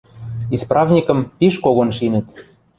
Исправникӹм пиш когон шинӹт.